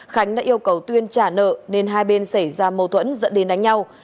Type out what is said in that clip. khánh đã yêu cầu tuyên trả nợ nên hai bên xảy ra mâu thuẫn dẫn đến đánh nhau